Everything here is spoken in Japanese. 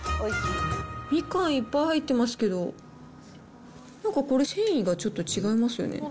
みかんいっぱい入ってますけど、なんかこれ、繊維がちょっと違いますよね。